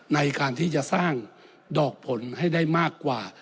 ในการที่จะสร้างดอกผลให้ได้มากกว่า